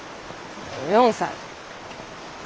４歳。